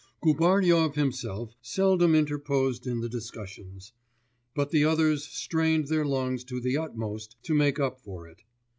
Gubaryov himself seldom interposed in the discussions; but the others strained their lungs to the utmost to make up for it.